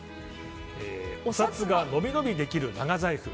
お札が伸び伸びできる長財布。